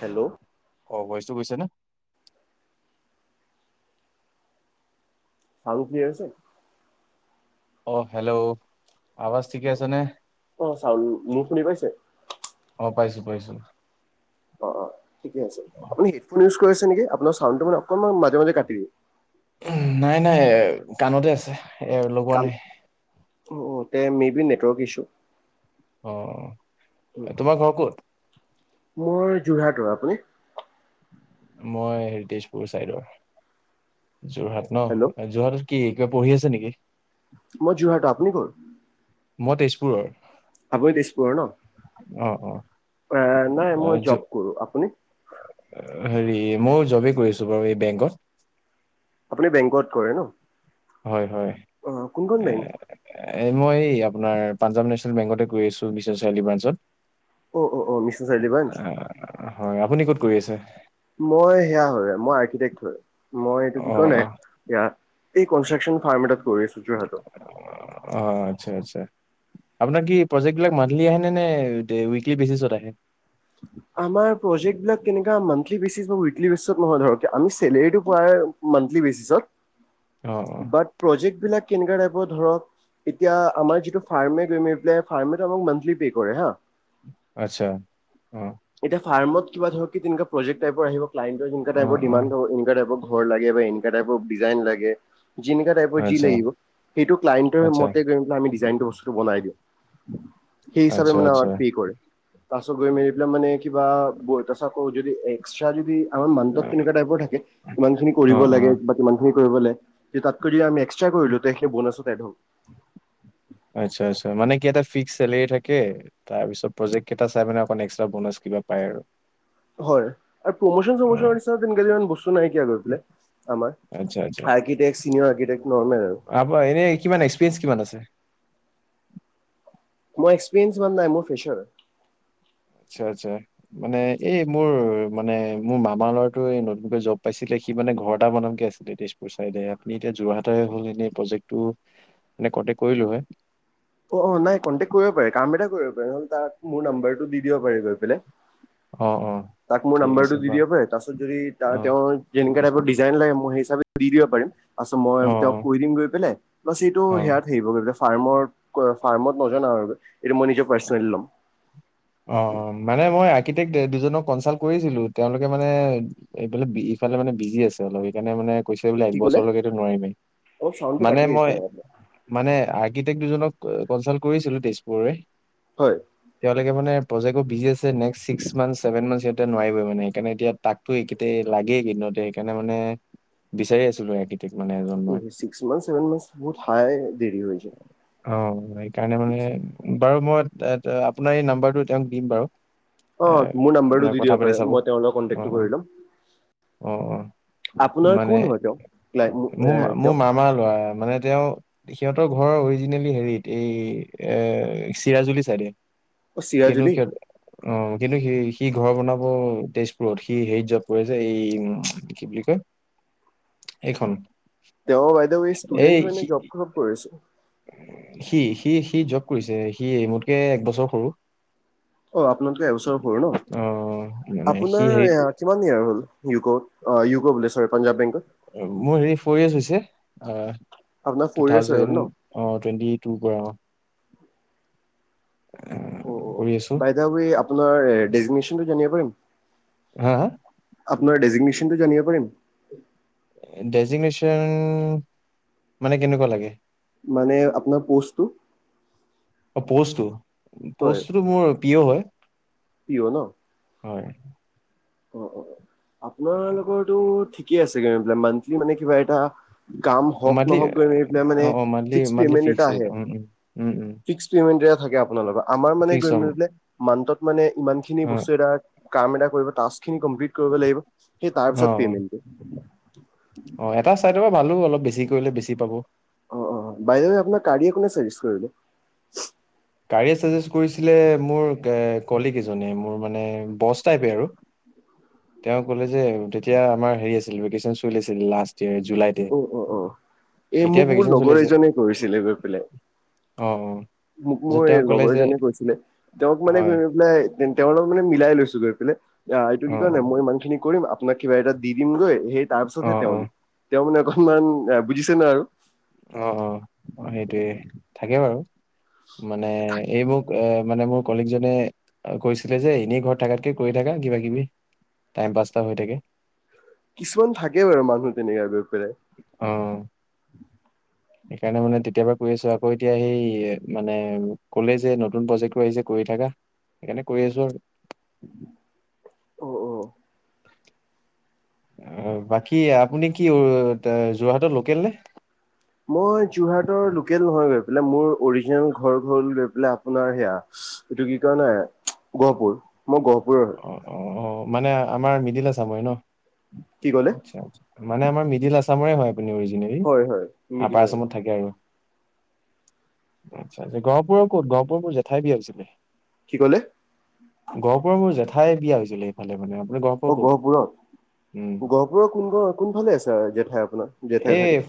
Hello অ বইচটো গৈছে নে? চাৰু কিয় আছে? অ হেল্ল'! আৱাজ ঠিকে আছে নে? অ চাউণ্ড মোৰ শুনি পাইছে? অ পাইছো পাইছো। অ অ ঠিকে আছে আপুনি হেডফোন ইউজ কৰিছে নেকি আপোনাৰ চাউডটো মানে অকমান মাজে মাজে কাট দি নাই নাই কাণতে আছে এ লগোৱা কাম নাই। অ তে মে বি নেটৱৰ্ক ইছ্যু। অ তোমাৰ ঘৰ ক'ত? মোৰ যোৰহাটৰ, আপুনি? মই হেৰি তেজপুৰ চাইডৰ। যোৰহাট ন, হেল্ল' যোৰহাটত কি কিবা পঢ়ি আছে নেকি? মই যোৰহাটৰ আপুনি কৰ? মই তেজপুৰৰ। আবৈ তেজপুৰৰ ন? অ অ নাই মই জব কৰো, আপুনি? হেৰি মই জবেই কৰিছো বাৰু এই বেংকত। আপুনি বেংকত কৰে ন? হয় হয়, অ কোনখন বেংক? এ মই এই আপোনাৰ পাঞ্জাৱ নেছনেল বেংকতে কৰি আছো বিশ্বনাথ চাৰিআলি ব্ৰাঞ্চত। অ অ অ মিছন চাৰিআলিব্ৰাঞ্চ? আহ, হয় আপুনি ক' ত কৰি আছে? মই সেয়া হয় মই আৰ্কিটেক্ট হয়, মই এইটো অ কি ক অ নাই এই কনষ্ট্ৰাকছন ফাৰ্ম এটা অ আচ্ছা আচ্ছা। আপোনাৰ কি প্ৰজেক্টবিলাক মান্থলি আহেনে নে উইকলি বেচিছত আহে? আমাৰ প্ৰজেকবিলাক তেনাকা মান্থলি বেচিকত বা উইকলি বেচিক নহয় ধৰক মানে কি ধৰক আমি চেলেৰিটো পোৱা মান্থলি বেছিছত, অ', অ', বাট প্ৰজেকবিলাক কেনেকুৱা টাইপৰ ধৰক এতিয়া আমাৰ যিটো ফাৰ্মে এগ্ৰিমেণ্ট যে ফাৰ্মে আমাক যে মন্থলী পে কৰে হা। আচ্ছা অ। এতিয়া ফাৰ্মত কিবা ধৰ কি তেনেকুৱা প্ৰজেক্ট টাইপ আহিব। ক্লাইণ্টৰ যেনোকা টাইপৰ অ', ডিমাণ্ড অ', এনেকোৱা টাইপৰ ঘৰ লাগে বা এনেকুৱা টাইপৰ ডিজাইন লাগে। যেনোকা টাইপৰ যি আচ্ছা, লাগিব সেইটো ক্লাইণ্টৰ আচ্ছা, মতে গৈ পিলাই আমি ডিজাইন সেই বস্তুটো বনাই দিয়ে, সেই হিচাবে আচ্ছা, মানে আচ্ছা, আমাক পে কৰে তাৰপিছত গৈ মেলি পিলাই মানে কিবা ব তচ ক যদি এক্সট্ৰা যদি আমাৰ মান্থত তেনেকুৱা টাইপৰ থাকে কিমান খিনি কৰিব অ', লাগে অ', বা কিমান খিনি কৰিবলে, তাতকৈ আমি এক্সট্ৰা কৰিলো ত সেইখিনি বুনাচত এড হল। আচ্ছা আচ্ছা মানে কি এটা ফিক্চ চেলেৰী থাকে তাৰপিছত প্ৰজেক কেইটা চাই মানে অকণমান এক্সট্ৰা বনাচ কিবা পায় আৰু। হয় আৰু প্ৰমোচন অ', চমোচনৰ নিচিনা তেনেকে ইমান বস্তু নাইকিয়া গৈ পেলাই আমাৰ আচ্ছা, আচ্ছা আৰ্কিটেক্ট চিনিয়ৰ আৰ্কিটেক্ট নৰ্মেল আৰু আপোনাৰ এনে কিমান এক্সপিৰিয়েঞ্চ কিমান আছে? মই এক্সপিৰিয়েঞ্চ সিমান নাই মই ফ্ৰেচাৰ। আচ্ছা আচ্ছা মানে এই মোৰ মানে মোৰ মামা ল'ৰাটো এই নতুনকে জব পাইছিলে। সি মানে ঘৰএটা বনামকে আছিলে তেজপুৰ চাইদে আপুনি এতিয়া যোৰহাটতে হ'ল এনেই প্ৰজেক্টটো তে কৰিলো হয়। অ অ নাই কন্টেক্ট কৰিব পাৰে কাম এটা কৰিব পাৰে নহ'লে তাক মোৰ নাম্বাৰটো দি দিব পাৰে গৈ পেলাই। অ', অ', তাক মোৰ ঠিক আছে নাম্বাৰটো দি বাৰু। দিব পাৰে তাৰপিছত যদি অ', তেওঁ যে টাইপৰ ডিজাইন লাগে মই হিচাপে দি দিব পাৰিম তাৰছত মই অ', তেওঁক অ', কৈ দিম গৈ পেলাই বাছ এইটো অ', সেয়াত থাকিবগৈ ফাৰ্মৰ ফাৰ্মত নজনা আৰু। এইটো মই নিজৰ পাৰ্চনেলি লম। অ মানে মই আৰ্কিটেক্ট দুজনক কনচাল্ট কৰিছিলো তেওঁলোকে মানে এইবিলাক ইফালে মানে বিজি আছে অলপ সেইকাৰেনে মানে কৈছে বোলে এক কি ক'লে? বছৰৰ লৈকে টো নোৱাৰিমেই অলপ চাউণ্ডটো মানে কাটি আহিছে মই মানে গীতেক দুজনক কনচাল্ট কৰিছিলো তেজপুৰৰে হয়। তেওঁলোকে‌ মানে প্ৰজেক বোৰ বিজি আছে next six month seven month নোৱাৰিবই মানে সেইকাৰণে তাক টো লাগেই। লাগেই কেইদিনতে সেইকাৰণে মানে বিচাৰি আছিলো আ চিক্স মন্থ চেভেন মন্থচ টো বহুত হাই দেৰি হৈ যায়। অ সেইকাৰণে মানে বাৰু মই আপোনাৰ এই নাম্বাৰটো তেওঁক দিম বাৰু। এ অ' মোৰ নাম্বাৰটো ম দি দিব কথা পাতি পাৰে চাব মই তেওঁৰ লগত অ কণ্টেক্টটো কৰি ল'ম। অ। আপোনাৰ মানে কোন হয় তেওঁ? মোৰ মোৰ তেওঁ মামা লৰা মানে তেওঁ সিহঁতৰ ঘৰৰ অৰিজিনেলি হেৰিত এই এ চিৰাজুলি চাইডে। কিন্তু চিৰাজুলি কি হল, কিন্তু সেই হি ঘৰ বনাব তেজপুৰত সি হেৰিত জব কৰে যে এই কি বুলি কয় এইখন। তেও বাই দা ৱে এই ষ্টুডেণ্ট হয় নে জব সব কৰে? সি সি সি জব কৰিছে সি এই মোতকে একবছৰ সৰু। অ আপোনাতকে এবছৰ সৰু ন। অ মানে সি আপোনাৰ হেৰিত কিমান ইয়ৰ হ'ল? ইউক'ত অ ইউকো বুলে চৰি পাঞ্জাৱ বেংকত। মোৰ হেৰি ফৰ য়েৰচ হৈছে। আ! আপোনাৰ ফ'ৰ টু ইয়াৰ্চ হৈ গ'ল ন থাউজেণ্ড আ টুৱেণ্টি টুৰ পৰা অ। অ কৰি আছো বাই দা ৱে আপোনাৰ দেজিগ্নেচনটো জানিব পাৰিম? হা হা! আপোনাৰ ডেজিগ্নেচনটো জানিব পাৰিম? দেজিগনেশ্বন মানে কেনেকুৱা লাগে? মানে আপোনাৰ প'ষ্টটো? পষ্টো? হয় পষ্টোটো মোৰ পি অ' হয়। পি অ' নহ। হয়। অ অ আপোনালোকৰটো ঠিকে আছে মন্থলী মানে কিবা এটা কাম হওক মান্থলি নহওক গৈ এই অ মানে অ monthly fix monthly payment fix এটা ৰেট। আহে। উম উম উম উম ফিক্স পেমেন্ট থাকে আপোনালোকৰ আমাৰ মানে ফিক্স গৈগৈ অ মানে মন্থত মানে ইমান খিনি অ বস্তু এটাৰ কাম এটা কৰিব তাস্ক খিনি কম্প্লিত কৰিব লাগিব। এই তাৰ অ পিছত পেমেন্তটো। অ এটা চাইডৰ পৰা ভালো অলপ বেছি কৰিলে বেছি পাব। অ অ বাই দা ৱে আপোনাৰ গাড়ী কোনে চাজেষ্ট কৰিলে। গাড়ীয়ে চাজেষ্ট কৰিছিলে মোৰ কলিক‌ এজনে মোৰ মানে বছ টাইপে আৰু তেওঁ কলে যে তেতিয়া আমাৰ হাৰি আছিল ভেকেচন চলি আছিল লাষ্ট। জুলাইতে, অ অ অ এই এতিয়া মোক মোৰ ভেকেস্বন চলি লগৰ আছে। এজনে কৰিছিলে গৈ পেলাই আহ অ মোক তাৰপিছত মোৰ তেওঁ ক'লে লগৰ যে জনে কৈছিলে তেওঁক মানে হয় গৈ পেলাই তেওঁৰ লগক মানে মিলাই লৈছো গৈ পেলাই। আহ এইটো অ কি কয় নাই মই ইমান খিনি কৰিম আপোনাক কিবা এটা দি দিমগৈ সেই তাৰ অ অ পিছতহে তেওঁ অ দিম। তেওঁ মানে অকনমান এ বুজিছে নাই আৰু। অ অ অ সেইটোৱে থাকে বাৰু মানে এইবোৰ এ মানে মোৰ কলিগজনে কৈছিলে যে এনেই ঘৰত থকাতকে কৰি থাকা কিবা কিবি। টাইম পাছ এটা হৈ থাকে। কিছুমান থাকে বাৰু মানুহ তেনেকুৱা অ সেইকাৰণে মানে তেতিয়াপৰা কৰি আছো আকৌ এতিয়া সেই মানে কলে যে নতুন প্ৰজেক্টটো আহিছে কৰি থাকা সেইকাৰণে কৰি আছো আৰু অ অ বাকী আপুনি কি যোৰহাটৰ লোকেল নে? মই যোৰহাটৰ লোকেল নহয় গৈ পেলাই মোৰ অৰিজিনেল ঘৰ হল গৈ পেলাই আপোনাৰ সেয়া। এইটো কি কয় ন গহপুৰ মই গহপুৰৰ অ হয়। অ অ মানে আমাৰ মৃদুল আছামৰে ন কি ক'লে আচ্ছা আচ্ছা মানে আমাৰ মৃদুল আছামৰে হয়। আপুনি অৰিজিনেলী হয় হয় আপাৰ মিডিলৰ আচামত থাকে আৰু। আচ্ছা গহপুৰৰ ক'ত গহপুৰত মোৰ জেঠাই বিয়া হৈছিলে। কি কলে? গহপুৰৰ মোৰ জেঠাই বিয়া হৈছিলে এইফালে মানে। আপুনি গহপুৰ অ ক'ত? গহপুৰত? উম, গহপুৰৰ কোন ক কোনফালে আছে জেঠাই আপোনাৰ জেঠাই থাগে?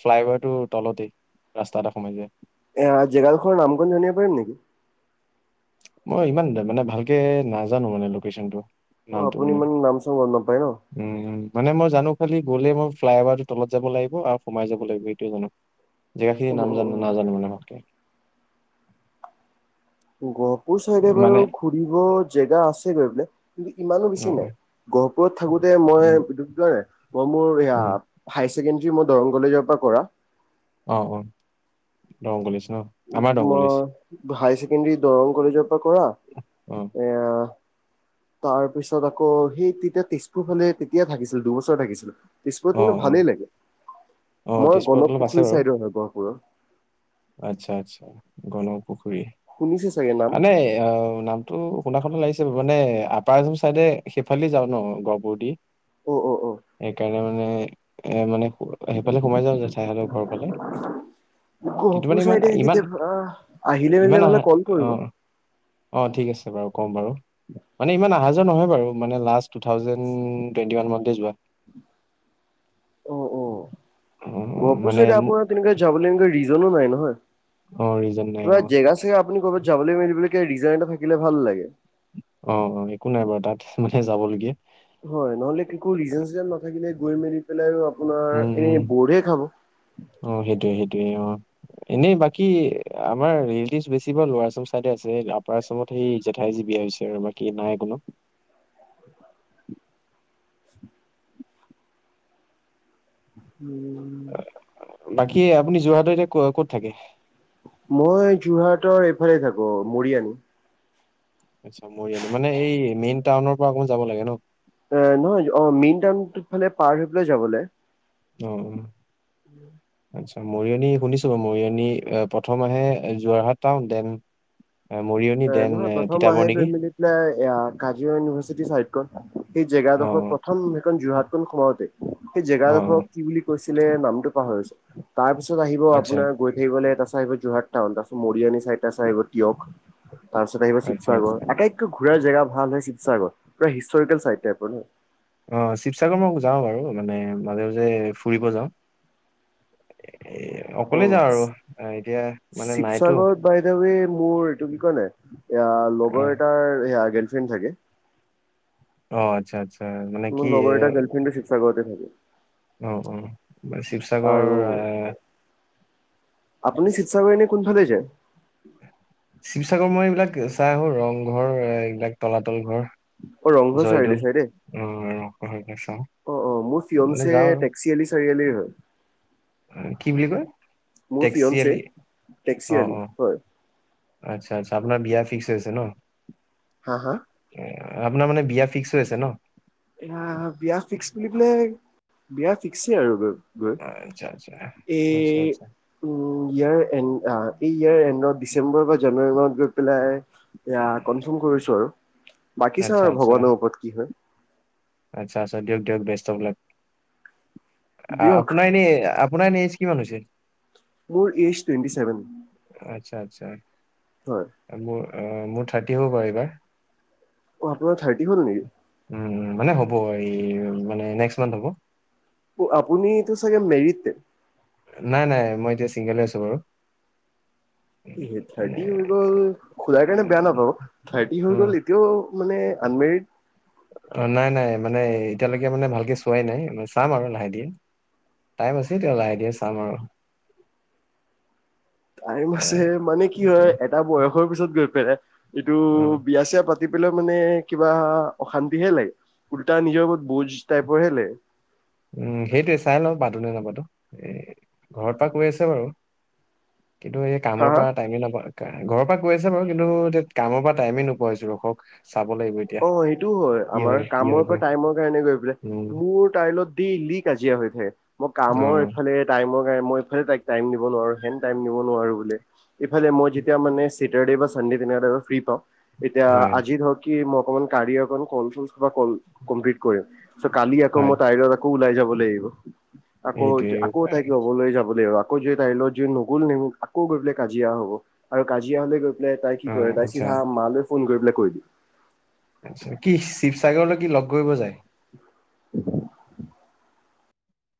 ফ্লাইঅভাৰ টো তলতেই ৰাস্তা এটা সোমাই যায়। আহ জেগাদখনৰ নামটো জানিব পাৰিম নেকি? মই ইমান মানে ভালকে নাজানো মানে লোকেশচনটো। অ নামটো আপুনি মানে ইমান নাম চাম গম নাপায় ন উম মানে মই জানো খালি। গ'লে মোৰ ফ্লাই অভাৰটো তলত যাব লাগিব আৰু সোমাই যাব লাগিব এইটোৱে জানো। জেগাখিনি অ নাম অ না অ নাজানো মান ভালকে। গহপুৰ চাইডে মানে বাৰু ঘুৰিব জেগা আছে গৈ বোলে। কিন্তু ইমানো অ', বেছি নাই অ', গহপুৰত থাকোতে মই। উম, মই মোৰ উম, হাই ছেকেণ্ডৰী মই দৰং কলেজৰ পৰা কৰা। অ অ, দৰ‍ং কলেজ। ন আমাৰ দৰং কলেজ মই হাই ছেকেণ্ডাৰী দৰং কলেজৰ পৰা কৰা অ', এ তাৰ পিছত আকৌ সেই তেতিয়া তেজপুৰ ফালে তেতিয়া থাকিছিল দুবছৰ থাকিছিলো। তেজপুৰত কিন্তু অ', অ', ভালেই লাগে অ', মই তেজপুৰত গণক অলপ আছে পুখুৰী বাৰু চাইদৰ হয় গহপুৰৰ আচ্ছা আচ্ছা গণক পুখুৰী শুনিছে চাগে নাম মানে অ নামটো শুনা শুনা লাগিছে মানে আপাৰ আছাম চাইডে সেইফালে যাওঁ ন গহপুৰ দি অ অ অ, সেইকাৰণে মানে এ, মানে সেইফালে সোমাই যাওঁ জেঠাই হতৰ ঘৰৰ ফালে। কিন্তু গহপুৰ মানে ইমান, চাইডে ইমান কেতিয়াবা আহিলে মেলিলে ইমান অ নহলে কল কৰিব অ ঠিক আছে বাৰু ক। কম বাৰু। মানে ইমান অহা যোৱা নহয় বাৰু মানে লাষ্টট টু থাউজেণ্ড টুৱেন্টি ওৱান মান মানতে যোৱা। অ অ, অ গহপুৰ মানে চাইদে মো- আপোনাৰ তেনেকুৱা যাবলৈ এনে ৰিজনো নাই নহয়। অ ৰিজন নাই কিবা অ জেগা চেগা আপুনি ক'ৰবাত যাবলৈ মেলিবৰিজন এটা থাকিলে ভাল লাগে। অ অ, একো নাই বাৰু তাত মানে যাবলগীয়া। হয় নহলে একো ৰিজন চিজন নাথাকিলে গৈ মেলি পেলাই। উম উম অ সেইটোৱে সেইটোৱে অ। এনেই বাকী আমাৰ ৰিলেটিভ বেছিবোৰ লাৰ আসাম চাইদে আছে আপাৰ আসামত সেই জেঠাই। বিয়া হৈছে আৰু বাকী নাই কোনো। [unintelligible] বাকী আপুনি যোৰহাটৰ এতিয়া ক'ত থাকে? মই যোৰহাটৰ এইফালে থাকো মৰিয়নি। আচ্ছা মৰিয়নি মানে এই মেইন টাউনৰ পৰা অকমান যাব লাগে ন? আহ নহয় অ মেইন টাউন ফালে পাৰ হৈ পেলাই যাবলে। অ অ। উম। আচ্ছা মৰিয়নি শুনিছো, মৰিয়নি প্ৰথম আহে যোৰহাট টাউন দেন। মৰিয়নি দেন নহয় প্ৰথম তিতাবৰ আহে নেকি গৈ মিলি পেলাই কাজিৰঙা ইউনিভাৰ্চিটি চাইদখন সেই অ অ জেগাডখৰ। প্ৰথম সেইখন যোৰহাটখন সোমাওঁতে সেই অ অ। জেগাডোখক কি বুলি কৈছিলে নামটো পাহৰি গৈছে। তাৰপিছত আহিব আচ্ছা আপোনাৰ গৈ থাকিবলৈ এটা চ আহিব যোৰহাট টাউন তাৰপিছত মৰিয়ানী চাইড এটা চাই আহিব তিয়ক। তাৰ পিছত আহিব আচ্ছা আচ্ছা শিৱসাগৰ আটাইতকৈ ঘূৰাৰ জেগা ভাল হয় শিৱসাগৰ। পুৰা হিষ্টৰিকেল চাইট টাইপৰ ন। অ শিৱসাগৰ মই যাও বাৰু মানে মাজে মাজে ফুৰিব যাওঁ। এ, অ অকলে যাওঁ আৰু এতিয়া মানে নাইতো। শিৱসাগৰত বাই দা ৱে মোৰ এইটো কি কয় নে এয়া লগৰ এটাৰ গাৰ্লফ্ৰেণ্ড থাকে। অ আচ্ছা আচ্চা। মোৰ লগৰ এটা গাৰ্লফ্ৰেডৰ শিৱসাগৰতে থাকে। অ অ শিৱসাগৰ আৰু আহ। আপুনি শিৱসাগৰ নে কোনফালে যায়। শিৱসাগৰ মই এইবিলাক চাই আহো ৰংঘৰ এইবিলাক তলাতল ঘৰ। অ ৰংঘৰ চাৰিআলি জয়দল চাইডে? আহংশক চাওঁ। অ অ মোৰ মানে ফিয়চে যাওঁ আৰু টেক্সিআলি চাৰিআলিৰ হয়। কি বুলি কয় মোৰ টেক্সি ফিয়নছে আলি টেক্সি অ আলি অ হয় আচ্ছা আচ্ছা আপোনাৰ বিয়া ফিক্স আছে ন হা হা আপোনাৰ মানে বিয়া ফিক্স হৈ আছে ন এতিয়া বিয়া ফিক্স বুলি কলে বিয়া ফিক্স আৰু গৈ। আচ্ছা আচ্ছা আচ্ছা এই আচ্ছা উম বিয়া এড ইয়াৰ এডত ডিচেম্বৰ বা জানুৱাৰীত গৈ পেলাই এতিয়া কণ্ডফম কৰিছো আৰু বাকী চাওঁ আচ্ছা আৰু আচ্ছা ভগানৰ ওপৰত কি হয়। আচ্ছা আচ্ছা দিয়ক দিয়ক বেষ্ট ত প্লাক লাক দিয়ক আপোনাৰ এনে আপোনাৰ অইজ কিমান হৈছে। মোৰ এইজ টুৱেণ্টি চছেভেন। আচ্ছা আচ্ছা মোৰ মোৰ থাৰ্টি হ'ব পাৰে এইবাৰ। অ আপোনাৰ থাৰ্টি হ'ল নেকি। পৰি মানে নেক্স মান হ'ব। আপুনিটো চাগে মেৰিত। নাই নাই মই এতিয়া চিংগলে আছো বাৰু এ মানে থাৰ্টি হৈ গল সুধা কাৰণে বেয়া নাপাওঁ থাৰ্টি হৈ উম, গল এতিয়াও মানে আনমেৰিড অ নাই নাই মানে এতিয়ালৈকে মানে ভালকে চোৱাই নাই চাম আৰু লাহে দিয়ে টাইম আছে এতিয়া লাহেকে চাম আৰু টাইম আছে মানে কি হয় এটা বয়সৰ পিছত গৈ পেলাই এইটো অ' বিয়া চিয়া পা তি পেল মানে কিবা অশান্তি হে লাগে। উল্টা নিজৰ বহুত বোজ টাইপৰ হে লাগে। উম সেইটোৱে চাই ল পাতো নেপাতো এ ঘৰ পৰা কৈ আছে বাৰু কিন্তু এই হা কামৰ হা পৰা টাইমে নাপাওঁ ঘৰৰ পৰা কৈ আছে বাৰু কিন্তু এতিয়া কামৰ পৰা টাইমেই নোপোৱাই হৈছো। চাব লাগিব এতিয়া অ সেইটোও হয় কি আমাৰ কি কামৰ হয় পৰা গৈ টাইমৰ কাৰণে গৈ পেলাই উম, মোৰ তাইলগত দে লি কাজিয়া হৈ থাকে মই কামৰ অ' এফালে টাইমৰ এফালে মই তাইক টাইম দিব নুবোৰো ইমান তাইম এফালে মই চাতাৰ দে বা চান দে যি দিনা অলপ ফিৰি পাওঁ এতিয়া হয় আজি ধৰক কি মই অকমান কাৰি অকণ কল ফুলা কল কমপ্লিট কৰিম চ' কালি আকৌ হয়। মই তাইৰত আকৌ ওলাই যাব লাগিব আকৌ এইটোৱে আকৌ উপায় তাইক ল'বলৈ যাব লাগিব আকৌ যদি তাইলগত নগলো নিম আকৌ গৈ পাই কাজিয়া হব আৰু কাজিয়া হলে গৈ ল তাই কি কৰে অ' তাই আচ্ছা। চিধা মালৈ ফোন কৰি পেলাই কৈ দিব আচ্ছা কি শিৱসাগৰলৈ কি লগ কৰিব যায়। [unintelligible]